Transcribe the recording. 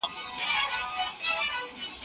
زه به اوږده موده د لوبو تمرين وکړم.